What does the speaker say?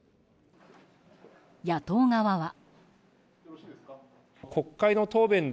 野党側は。